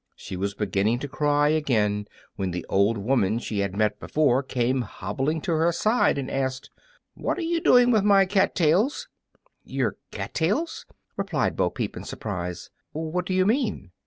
She was beginning to cry again, when the same old woman she had before met came hobbling to her side and asked, "What are you doing with my cat tails?" "Your cat tails!" replied Bo Peep, in surprise; "what do you mean?"